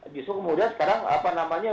justru kemudian sekarang apa namanya